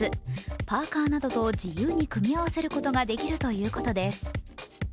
パーカーなどと自由に組み合わせることができるということです。